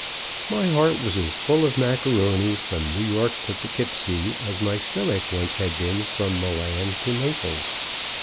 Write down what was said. My heart was as full of Macaroni from New York to Po'keepsie as my stomach once had been from Milan to Naples.